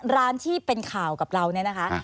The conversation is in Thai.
ร้านที่เป็นข่าวกับเราเนี่ยนะคะ